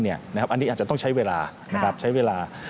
อันนี้อาจจะต้องใช้เวลา